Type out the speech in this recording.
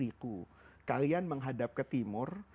diriku kalian menghadap ke timur